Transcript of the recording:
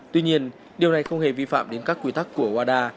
tuy nhiên điều này không hề vi phạm đến các quy tắc của uada